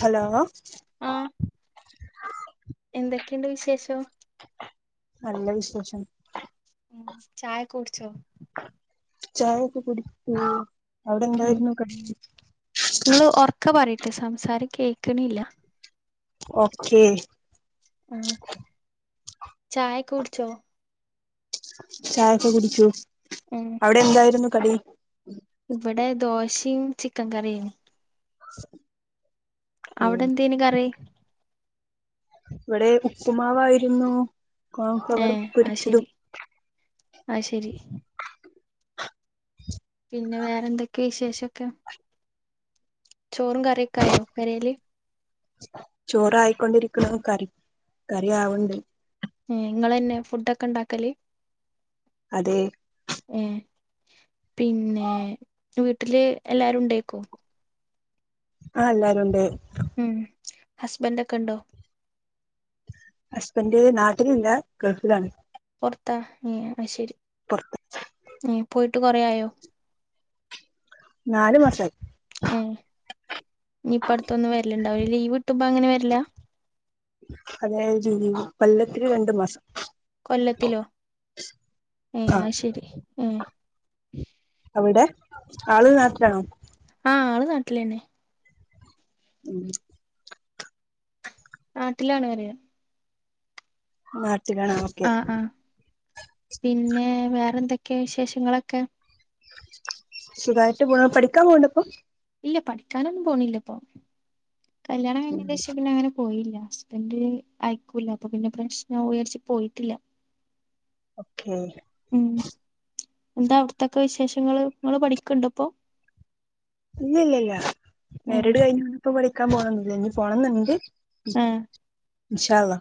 Hello ആഹ് എന്തൊക്കെയുണ്ട് വിശേഷം നല്ല വിശേഷം ചായൊക്കെ കുടിച്ചോ ചായക്ക കുടിക്ക ഉം അവിടെന്തായിരുന്നു കടി മ് സംസാരം കേൾക്കണില്ല ഓകെ ചായ കുടിച്ചോ ചായൊക്കെ കുടിച്ചു ഉം അവിടെ എന്തായിരുന്നു കടി ഇവിടെ ദോശയും ചിക്കൻ കറിയും [unintelligible] ഉം അവിടെ എന്ത എനിക്കറി ഇവിടെ ഉപ്പുമാവായിരുന്നു കവർ ഏഹ് അത് ശരി പൊരിച്ചതും അത് ശരി പിന്നെ വേറെന്തൊക്കെയ വിശേഷൊക്കെ ചോറും കറിയൊക്കെ ആയോ പെരേല് ചോറായിക്കൊണ്ടിരിക്കണ് കറി ആവണ്ട് ഉ നിങ്ങന്നെ ഫുട് ഒക്കെ ഉണ്ടാക്കല് അതെ ഏ പിന്നെ വീട്ടില് എല്ലാരും ഉണ്ടേക്കോ ആഹ അല്ലരുുണ്ട് ഉം ഹസ്ബൻഡ് ഒക്കെ ഉണ്ടോ? ഹസ്ബൻഡ് നാട്ടിലില്ല ഗൾഫിലാണ്. പുറത്താ ങേ അയ്ശരി. പുറത്ത്. പോയിട്ട് കൊറെ ആയോ? നാല് മാസം ആയി. ഉം ഇനിയിപ്പം അടുത്തൊന്നും വരലുണ്ടാവില്ലാ ലീവ് കിട്ടുമ്പോ അങ്ങനെ വരിലാ. അതായത് ജോലി കൊല്ലത്തില് രണ്ട് മാസം. കൊല്ലത്തിലോ ഏ ആ ശരി ഏ. അവിടെ ആള് നാട്ടിലാണോ. ആഹ് ആള് നാട്ടിലന്നെ. ഉം. നാട്ടിലാണ് പറയ്യാ. നാട്ടിലാണ് ഓക്കെ. ആ ആ പിന്നെ വേറെന്തൊക്കെയാ വിശേഷങ്ങളൊക്കെ. സുഖായിട്ട് പോ പഠിക്കാൻ പോവണ്ടോ ഇപ്പൊ. ഇല്ല പഠിക്കാനൊന്നും പോണില്ല ഇപ്പൊ കല്യാണം ഉം കഴിഞ്ഞേന്റേ ശേഷംപിന്നെ അങ്ങനെ. പോയില്ല ഹസ്ബൻഡ് അയക്കൂല അപ്പൊ പിന്നെ പ്രശ്നം ആവൂ വിചാരിച്ച് പോയിട്ടില്ല. ഓക്കേ. ഉം എന്താ അവിടത്തൊക്കെ വിശേഷങ്ങങ്ങള് യിങ്ങള് പഠിക്കുണ്ടോ ഇപ്പോ. ഇല്ല ഇല്ല ഇല്ല ഉം മാരിട് കഴിഞ്ഞ വന്നപ്പോ പഠിക്കാൻ പോണം ഒന്നില്ല ഇനി പോണംന്നുണ്ട്. ആ ഇൻഷാ അള്ളാ.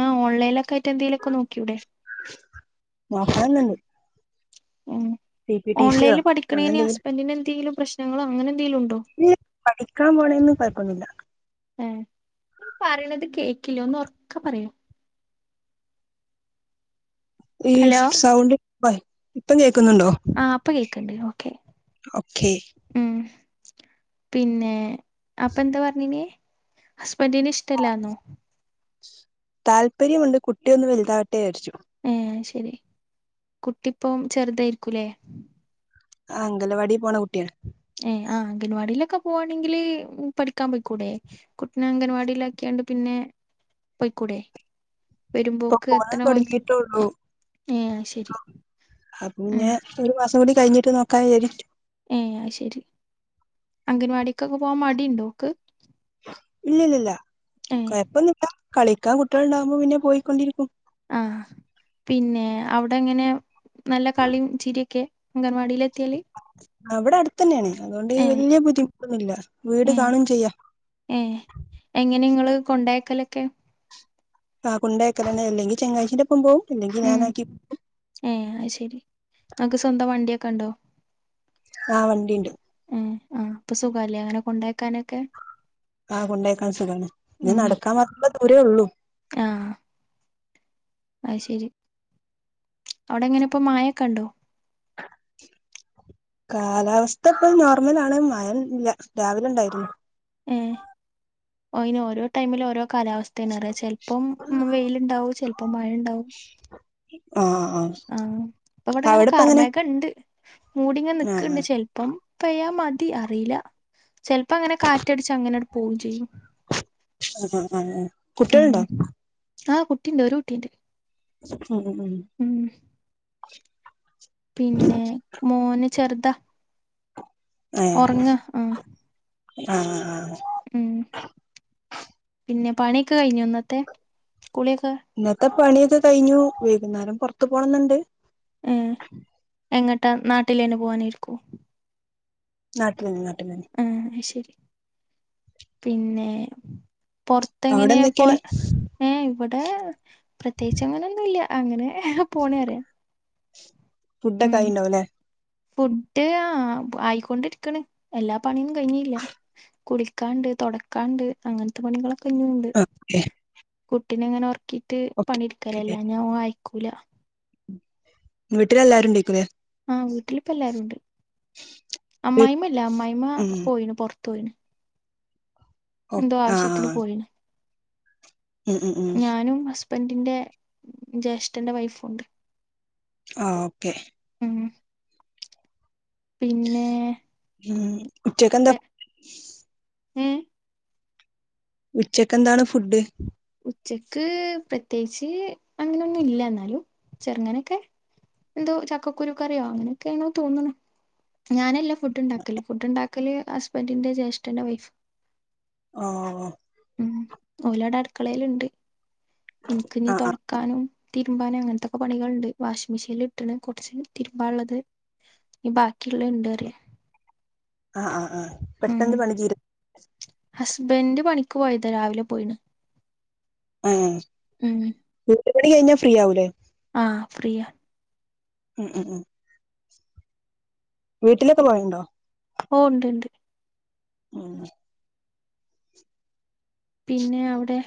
ആ ഓൺലൈനൊക്കെ ആയിട്ട് എന്തേലും ഒക്കെ നോക്കി കൂടെ. നോക്കണന്നുണ്ട്. ഉം ഓൺലൈനിൽ അങ്ങനെ പഠിക്കണേന് എന്തെങ്കിലും ഹസ്ബൻഡിന് എന്തെങ്കിലും പ്രശ്നങ്ങളോ അങ്ങനെ എന്തെ ഇല്ല പഠിക്കാൻ പോണേന് ഒന്നും കുഴപ്പ ഒന്നുല്ല. ഏഹ് നിങ്ങള് പറയണത് കേൾക്കില്ല ഒന്ന് ഉറക്കെ പറയോ. ഈ ഹലോ സൗണ്ട് ഇപ്പളേ ഇപ്പോ കേൾക്ക് ആ ഇപ്പൊ കേൾക്കണ്ട് ഓക്കേ. ഓക്കേ. പിന്നെ അപ്പൊ എന്താ പറഞ്ഞിനേ ഹസ് ബന്റിന് ഇഷ്ട അല്ലാന്നോ. താല്പര്യമുണ്ട് കുട്ടിയൊന്ന് വലുതാവട്ടെ വിചാരിച്ചു. ഏഹ് ശരി കുട്ടിയിപ്പം ചെറുതായിരിക്കൂല്ലേ. ആഹ് അങ്കല്ലവാടി പോണ കുട്ടിയാണ്. ഏഹ് ആ അംഗൻവാടിയിലൊക്കെ പോവാണെങ്കില് പഠിക്കാൻ പോയിക്കൂടെ കുട്ടിനെ അംഗൻ വാടിയിലാക്കിയാണ്ട് പിന്നെ പോയിക്കൂടെ. ഇപ്പൊ വരുമ്പോക്ക് പോണത് എത്രണ പോലത്തെ തുടങ്ങിയിട്ടേള്ളൂ ഏയ് ശരി. അ ഉം പിന്നെ ഒരു മാസം കൂടി കഴിഞ്ഞിട്ട് നോക്കാ വിചാരിച്ചു. ഏയ് അയ്ശെരി അംഗൻവാടിക്കൊക്കെ പോവാൻ മടി ഉണ്ടോ ഓക്ക്. ഇല്ലില്ലില്ല ഏ കൊഴപ്പ ഒന്നില്ലാ കളിക്കാൻ കുട്ടികള് ഉണ്ടാകുമ്പോ പിന്നെ പോയിക്കൊണ്ടിരിക്കും. ആഹ് പിന്നെ അവിടെ എങ്ങനെ നല്ല കളിയും ചിരിയൊക്കെ. അംഗൻവാടിയില് എത്തിയാല്. അവിടെ അടുത്ത് തന്നെയാണ് അതുകൊണ്ട് വല്യ ബുദ്ധിമുട്ടൊന്നുമില്ല വീട് കാണകയും ചെയ്യാം. ഏ എങ്ങനെ കൊണ്ടായക്കലൊക്കെ. ആ കുണ്ടേയ് അക്കാല് തന്നെ അല്ലെങ്കിൽ ചങ്ങായിച്ചിന്റെ ഒപ്പം പോവും. അല്ലെങ്കി ഉം ഞാനാക്കി ഏ അയ്ശെരി നിങ്ങക്ക് സ്വന്തം വണ്ടിയൊക്കെ ഉണ്ടോ? ആഹ് വണ്ടിയുണ്ട്. ആ അപ്പൊ സുഖല്ലേ അങ്ങനെ കൊണ്ടായ്ക്കാനൊക്കെ. ആഹ കൊണ്ടോക്കാൻ സുഖമാണ് നീ നടക്കാൻ മാത്രുള്ള ദൂരേ ഉള്ളു അ ശരി അവിടെ എങ്ങനെ ഇപ്പോൊ മായൊക്കെ ഉണ്ടോ കാലാവസ്ഥ ഇപ്പൊ നോർമൽ ആണ മയംല്ല രാവിലെ ഉണ്ടായിരുന്നു മ് അയ്‌ന് ഓരോ ടൈമില ഓരോ കാലാവസ്ഥോണ് അറിയ ചെിലപ്പം വെയിലുണ്ടാവും ചിലപ്പോം മഴ ഉണ്ടാവും ആ ആ ആഹ അപ്പ ഇവിടെ ഇങ്ങനെ അവിടെപ്പ എങ്ങനെ കർമേക ഇണ്ട് മൂടിങ്ങെ ആ നിക്കണ്ട് ചെിലപ്പം പയാ മതി അറിയില്ല ചിലപ്പോ അങ്ങനെ കാറ്റടിച്ച് അങ്ങനെടു പോയും ചെയ്യും ആ ആ കുട്ടണ്ടാ ആഹ കുട്ടിണ്ട് ഒരു കുട്ടിണ്ട് ഉം ഉ ഉം പിന്നെ മോന് ചെറുതാ ഉറങ്ങ ആഹ ആഹ ആ ഉം പിന്നെ പണിയൊക്കെ കഴിഞ്ഞു ഒന്നത്തെ കുണക്ക ഇന്നത്തെ പണിയൊക്കെ കഴിഞ്ഞു വൈകുന്നേരം പുറത്തു പോണംന്നുണ്ട് ഏ എങ്ങട്ടാ നാട്ടിലേു പോവാനായിരിക്കൂ നാട്ടിലന്നെ നാട്ടിലന്നെ ആഹ് ശരി പിന്നെ അവിടെ പൊറത്തെങ്ങനെയാ പോ എന്തൊക്കെയാണ് ഏ അവിടെ പ്രത്യേകിച്ച് അങ്ങനെൊന്നുംല്ല അങ്ങനെ പോണ അറിയാം ഫുഡ ഒ ക ആയി ഉണ്ടാവല്ലേ ഫുഡ് ആ ആയിക്കൊണ്ടിരിക്കണ് എല്ലാ പണിയൊന്നും കഴിഞ്ഞില്ല കുളിക്കാണ്ട് തുടക്കാണ്ട് അങ്ങനത്തെ പണികളൊക്കെ ക്കേ കുട്ടിന ഇങ്ങനെ ഒർക്കിയിട്ട് പണിടുക്കലല്ലാ ഞാൻ അയക്കൂല വീട്ടിലെല്ലാരും ണ്ടെക്കുലെ ആ വീട്ടിലിപ്പ എല്ലരുണ്ട് വീ അമ്മായി്മല്ല അമ്മായിമ്മ ഉം പോയിത്ത് തോയിന്ന ഓ എന്തോ ആ ആ ആവശ്യത്തിന് പോയിന് ഉം ഉം ഉം ്പന്റിന്റെ ജ്യേഷ്ഠന്റെ വൈഫുണ്ട് ആ ഓക്കെ ഉം പിന്നെ ഉ ചിക്കൻ ത ഉം ഉച്ചക്ക് എന്താണ് ഫുഡ് ഉച്ചക്ക് പ്രത്യേകിച്ച് അങ്ങനെൊന്നും ഇല്ല എന്നാലും ചെറുങ്ങാനൊക്കെ എന്തോ ചക്കക്കുരുക്കറിയോ അങ്ങനെയൊക്കെയ ആണ തോന്നണ ഞാനല്ല ഫുഡ് ഉണ്ടാക്കല് ഫുഡ് ഉണ്ടാക്കല് ഹസ്ബൻഡിന്റെ ജ്യേഷ്ഠന്റെ വൈഫ് ഓ മക്കളയിലുണ്ട് എനിക്ക് നീ ആ ആ തുടക്കാനും തിരുമ്പാന അങ്ങനത്തെൊക്കെ പണികൾുണ്ട് വാഷിംഗ് മെഷീനൽ ഇട്ടണ് കുറച്ച് തിരുമ്പാന ഉുള്ളത് ന ബാക്കിയുള്ള ഇണ്ട്റിയ ആഹ് ആ് ആഹ പെട്ടെന്ന് പണി തീര ഹസ്ബൻഡറ് പണിക്ക് പോയതാ രാവിലെ പോയിണ് ആഹ കട്ടപണ കഴിഞ്ഞാ ഫ്രീ ആവൂലേ ആഹ ഫ്രീ ഉം ഉം ഉം വീട്ടിലൊക്കെ പോയണ്ടോ ഓ ഉണ്ട് ഉണ്ട് ആഹ പിന്നെ അവിടെ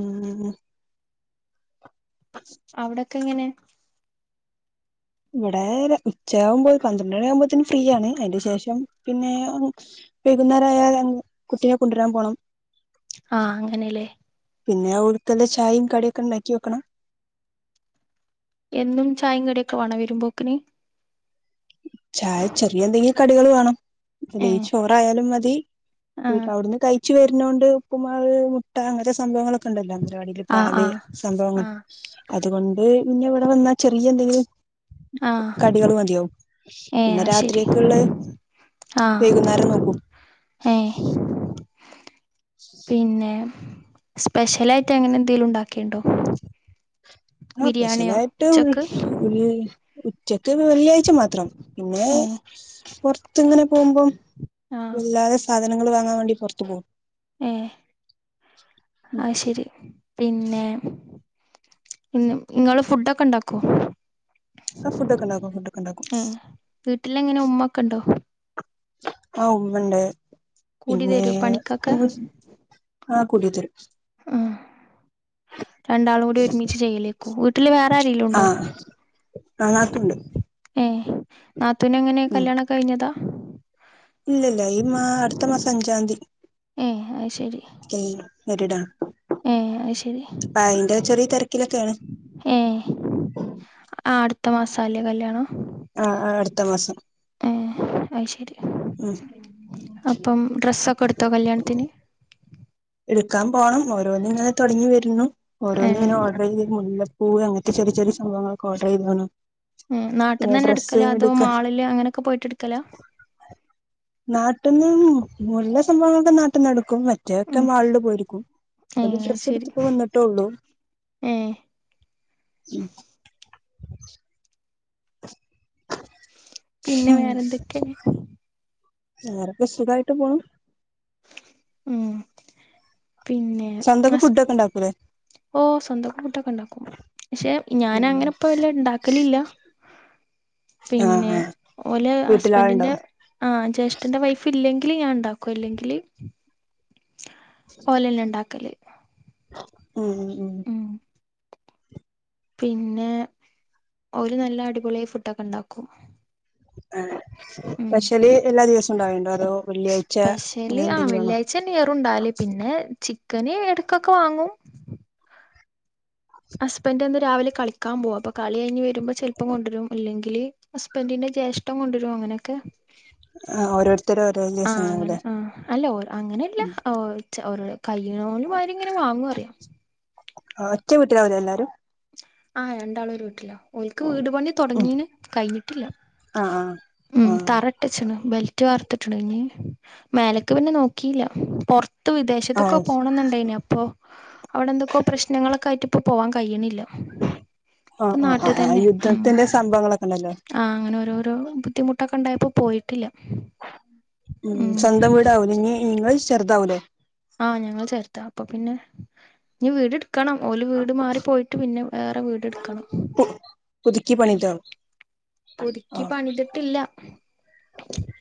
ആഹ അവിടൊക്കെ എങ്ങനെ ഇവിടെ ഉച്ചയാകുമ്പോ പന്ത്രണ്ട് മണി ആകുമ്പോത്തേന് ഫ്രീയണ് അതിന് ശേഷം പിന്നെ പൈകുന്നേരായ കുട്ടിയെ കൊണ്ടുവരാൻ പോണം ആഹ അങ്ങനെല്ലേ പിന്നെ ആ ഉടുത്തെല്ല ചായയും കടിയൊക്കെ ഉണ്ടാക്കി വെക്കണം എന്നും ചായ കടിയൊക്കെ വേണ വരുുംമ്പോക്കിന ചായ ചെറിയ എന്തെങ്കിലും കടികൾ വേണോല്ല ആഹ് ചോറായാലും മതി ആഹ് അവിടുന്ന് തയ്ച്ചു വരുന്നോണ്ട് ഉപ്പുമാള് മുട്ട അങ്ങനത്തെ സംഭവങ്ങളൊക്കെ ഉണ്ടല്ലോ പരിപാടിൽ ആഹ് പാല് സംഭവങ്ങൾ ആഹ് അതുകൊണ്ട് പിന്നെ ഇവിടെ വന്നാ ചെറിയ എന്തെ ആഹ് കടികള് മതിയാവും ഏഹ് പിന്നെ അത് ശരി രാത്രിയൊക്കെയ ഉള്ള വൈകുന്നേരം നോക്കൂ അഹ പിന്നെ സ്പെഷ്യല ആായിട്ട് എങ്ങനെ എന്തെങ്കിലും ഉണ്ടാക്കിുണ്ടോ ആ സ്പെഷ്യലായിട്ട് ഉ ഉ വെള്ളിയാഴ്ച മാത്രം പിന്നെ ഏഹ് പറത്ത്ങ്ങനെ പോകുമ്പം ആഹ് ഇല്ലാതെ സാധനങ്ങൾ വാങ്ങാൻ വേണ്ടി പുറത്ത് പോകും ഏ ആ ശരി പിന്നെ ഇന്ന് നിങ്ങള് ഫുഡ ഒക്കെ ഇണ്ടാക്കോ ആ ഫുഡൊക്കെ ഉണ്ടാക്കും ഫുഡൊക്കെ ഉണ്ടാക്കും ആ വീട്ടില എങ്ങനെ ഉമ്മൊക്കെ ഉണ്ടോ ആ ഉവുണ്ട് കൂടി പിന്നെ തരോ പണിക്കൊക്കെ ഉ ആഹ കുടിയതരു ഉ രണ്ടാളും കൂടി ഒരുമിച്ച് ചെയ്യലേക്കു വീട്ടില് വേറെ ആരെങ്കിലും ഉണ്ടോ കാട്ടുണ്ട് നാത്തവിന എങ്ങനെ കല്യാണം കഴിഞ്ഞതാണ് ഇല്ലല്ല ഈ മാ അടുത്ത മാസ അഞ്ചാന്തി ഏഹ് എ എരിടാ ഉം ശരി ചെറിയ തിരക്കിലൊക്കെയാണ് ഏ ഇ മാസല്ലേ കല്യാണോ ആ അടുത്ത മാസം ഉം അപ്പം ഡ്രസ്സൊക്കെ എടുത്തോ കല്യാണത്തിന് എടുക്കാൻ പോണം ഓരോന്നന്ന് ഇങ്ങനെ തുടങ്ങി വരുന്നു ഓരോന്ന ഏഹ് ഇങ്ങനെ ഓർഡർ ചെയ്ത് മുല്ലപ്പൂ അങ്ങനത്തെ ചെറിയ ചെറിയ സംഭവങ്ങൾ കുറതു വന ഉം നാട്ടിൽന്നന്ന് തന്നെ എടുക്കല അതോ മാളില് അങ്ങനെയൊക്കെ പോയിട്ട് എടുക്കലോ നാട്ടന്ന് മുല്ല സംഭവങ്ങളൊക്കെ നാട്ടന്നടുക്കും പറ്റും ഒറ്റ ഉം മാളില് പോയിരിക്കും ഒരു ഏഹ് അത് ഡ്രസ്സ് ശരി എടുത്തിപ്പോ വന്നിട്ടേ ഉള്ളൂ ഏഹ് ഉം പിന്നെ വേറെന്തൊക്കെ വറെൊക്കെ സുഖായിട്ട് പോണം ഉം പിന്നെ ചന്തക്ക് ഫുഡൊക്കെ ഉണ്ടാക്കൂലേ ഓ സ്വന്തംക്കം കൂട്ടൊക്കെ ഇണ്ടാക്കും പക്ഷെ ഞാൻ ഉം അങ്ങനെ ഇപ്പ വല്ല ഇണ്ടാക്കലില്ല ആ പിന്നെ ആ ഓല ഹസ്ബൻറിിന്റെ വീട്ടിലാളുണ്ടാവും ആ ജ്യേഷ്ഠന്റെ വൈഫ് ഇല്ലെങ്ക ഞാൻ ഉണ്ടാക്കും ഇല്ലെങ്കില് ഓലല്ല ഉണ്ടാക്കല് ഉം ഉ ഉം പിന്നെ ഒരു നല്ല അടിപൊളി ഫുഡൊക്കെ ഇണ്ടാക്കും ആഹ് സ്പെഷ്യല് എല്ലാ ദിവസോം ഇണ്ടാവണ്ടോ അതോ വെള്ളിയാഴ്ച സ്പെഷ്യല് ആ അങ്ങനെന്തെങ്കിലും ആണോ വെള്ളിയാഴ്ച തന്നെയാറുണ്ടാവല് പിന്നെ ചിക്കന് എടക്കൊക്കെ വാങ്ങും ഹസ്ബന്റൊന്ന് രാവിലെ കളിക്കാൻ പോകും. അപ്പൊ കളികഴിഞ്ഞ് വരുമ്പോ ചെലപ്പം കൊണ്ടരും അല്ലെങ്കി ഹസ്ബന്റിന്റെ ജ്യേഷ്ഠൻ കൊണ്ടുവരും. അങ്ങനെയൊക്കെ ആഹ് ഓരോരുത്തര് ഓരോ ആഹ് ദിവസം അങ്ങനെ ആവുല്ലേ ആ അല്ല ഓ അങ്ങനെയല്ല ഉം ഓ ചരടെ കയ്യണോലും ആരിങ്ങനെ വാങ്ങും പറയാ ആ ഒറ്റ വീട്ടിലാ അവരെല്ലാരും ആഹ് രണ്ടാളൊരു വീട്ടിലാ. ഓര്ക്ക് വീട് പണി ഉം തൊടങ്ങീന് കഴിഞ്ഞിട്ടില്ല ആഹ് ഉം ആഹ് തറ ഇട്ടച്ചണ് ബെൽറ്റ് വാർത്തിട്ടിണ്ട്. ഇഞ്ഞ് മേലക്ക് പിന്നെ നോക്കീല്ല. പൊറത് ത്ത് ആഹ് വിദേശത്തൊക്കെ ആഹ് പോണംന്ന്ണ്ടേന്. അപ്പൊ അവിടെ എന്തൊക്കെ പ്രശ്നങ്ങളൊക്കെ ആയിട്ട് ഇപ്പോ പോവാൻ കഴിയണില്ല ഇപ്പ ആഹ് ആഹ് ആഹ് ആഹ് നാട്ട്ത്തന്നെ ഉം. യുദ്ധത്തിന്റെ സംഭവങ്ങളൊക്കെ ഉണ്ടല്ലോ ആ അങ്ങനെ ഓരോരോ ബുദ്ധിമുട്ടൊക്കെ ഇണ്ടായപ്പോ പോയിട്ടില്ല ഉം സ്വന്തം വീടാവൂലെ ഇഞ്ഞി ങ്ങള് ചെറുതാവൂലേ ആ ഞങ്ങള് ചെർതാ അപ്പൊ പിന്നെ ഇഞ്ഞി വീടെട് ക്കണം. ഓല് വീട് മാറി പോയിട്ട് പിന്നെ വേറെ വീട് ഇട്ക്കണം പുതിക്കി പണിതോ പുതുക്കി പണിതിട്ടില്ല.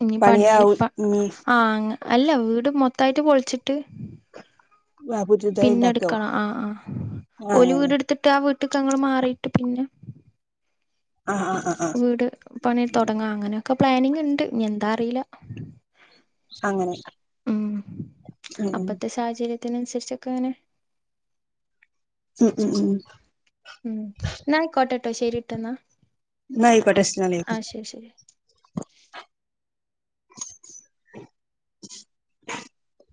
ഇനി പണി പണിയാവും പ ഇനി ആ അല്ല വീട് മൊത്തായിട്ട് പൊളിച്ചിട്ട് ആഹ് പുതിയതായി പിന്നെ ഉണ്ടാക്കാവും എട്ക്കണം. ആ ആ ഓല് ആഹ് വീടെട്ത്ത്ട്ട് ആ വീട്ട്ക്ക് ഞങ്ങള് മാറി ട്ട് പിന്നെ ആഹ് ആഹ് ആഹ് ആഹ് വീട് പണി തൊടങ്ങാ അങ്ങനൊക്കെ പ്ലാനിങ് ണ്ട് ഇഞ്ഞി എന്താ അറീല്ല അങ്ങനെ ഉം ഉം തിനനുസരിച്ചൊക്കെ അങ്ങനെ ഉം ഉം ഇന്നാ അയ്ക്കോട്ടെ ട്ടോ ശെരിട്ടോ ന്നാ ന്നാ അയ്ക്കോട്ടെ അസ്സലാമു അലൈക്കും [inaudible]